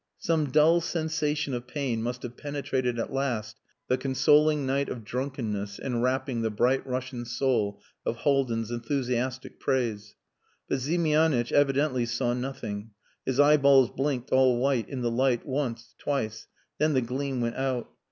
Some dull sensation of pain must have penetrated at last the consoling night of drunkenness enwrapping the "bright Russian soul" of Haldin's enthusiastic praise. But Ziemianitch evidently saw nothing. His eyeballs blinked all white in the light once, twice then the gleam went out.